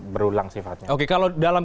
berulang sifatnya oke kalau dalam